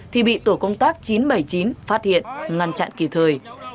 thì bị tổ công tác chín trăm bảy mươi chín phát hiện ngăn chặn kỳ thời